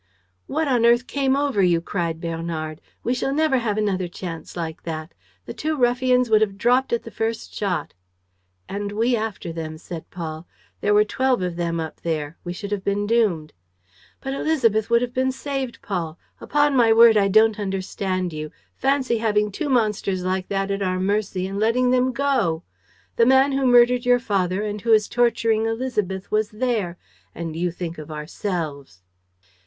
"What on earth came over you?" cried Bernard. "We shall never have another chance like that. The two ruffians would have dropped at the first shot." "And we after them," said Paul. "There were twelve of them up there. We should have been doomed." "But Élisabeth would have been saved, Paul! Upon my word, I don't understand you. Fancy having two monsters like that at our mercy and letting them go! The man who murdered your father and who is torturing Élisabeth was there; and you think of ourselves!"